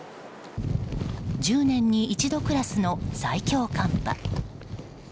１０年に一度クラスの最強寒波。